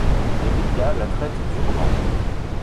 Les médias la traitent durement.